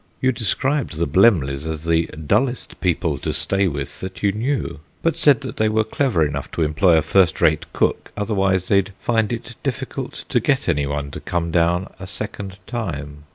You described the Blemleys as the dullest people to stay with that you knew, but said they were clever enough to employ a first rate cook; otherwise they'd find it difficult to get anyone to come down a second time."